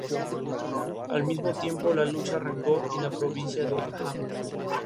Fue lanzada como el primer sencillo de "Fiesta", su primer álbum de studio.